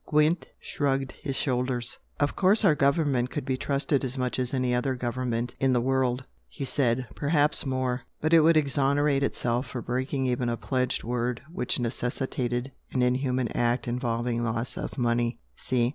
Gwent shrugged his shoulders. "Of course our government could be trusted as much as any other government in the world," he said "Perhaps more. But it would exonerate itself for breaking even a pledged word which necessitated an inhuman act involving loss of money! See?